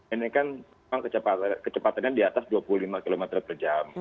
ini kan memang kecepatannya di atas dua puluh lima km per jam